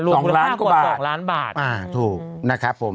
รวมคุณภาพกว่า๒ล้านบาทอ่าถูกนะครับผม